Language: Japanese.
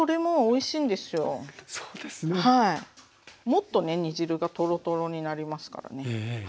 もっとね煮汁がトロトロになりますからね。